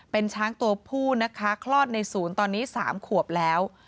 เป็นช้างตัวผู้นะคะคลอดในศูนย์ตอนนี้๓ขวบแล้ว